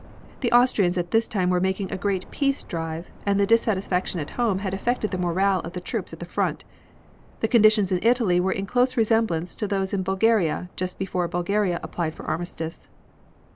The Austrians at this time were making a great peace drive, and the dissatisfaction at home had affected the morale of the troops at the front. The conditions in Italy were in close resemblance to those in Bulgaria just before Bulgaria applied for an armistice.